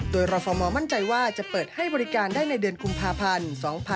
โดยรฟมมั่นใจว่าจะเปิดให้บริการได้ในเดือนกุมภาพันธ์๒๕๖๒